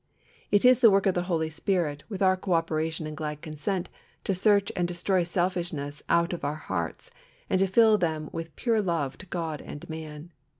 It is the work of the Holy Spirit, with our co operation and glad consent, to search and destroy selfishness out of our hearts, and fill them with pure love to God and man.